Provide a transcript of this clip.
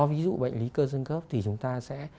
ví dụ bệnh lý cơ sân khớp thì chúng ta sẽ